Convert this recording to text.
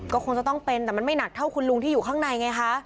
ก็คงจะต้องเป็นแต่มันไม่หนักเท่าคุณลุงที่อยู่ข้างในไงคะ